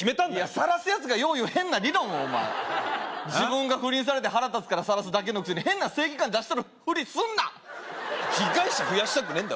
さらすやつがよう言う変な理論をお前自分が不倫されて腹立つからさらすだけのくせに変な正義感出しとるふりすんな被害者増やしたくねえんだ